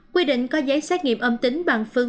quy định có giấy xét nghiệm âm tính bằng phân